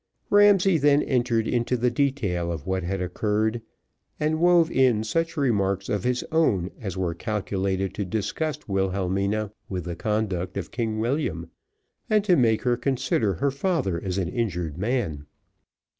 Ramsay then entered into the detail of what had occurred, and wove in such remarks of his own as were calculated to disgust Wilhelmina with the conduct of King William, and to make her consider her father as an injured man.